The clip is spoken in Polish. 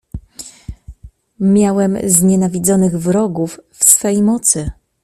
"Miałem znienawidzonych wrogów w swej mocy."